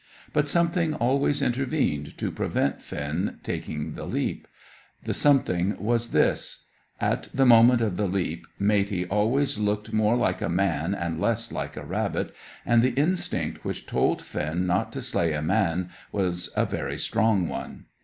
But something always intervened to prevent Finn taking the leap. The something was this: at the moment of the leap, Matey always looked more like a man and less like a rabbit, and the instinct which told Finn not to slay a man was a very strong one.